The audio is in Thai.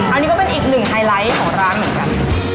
อันนี้ก็เป็นอีกหนึ่งไฮไลท์ของร้านเหมือนกัน